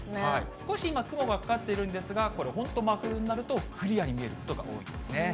少し雲がかかっているんですが、これ、本当に真冬になると、クリアに見えることが多いんですね。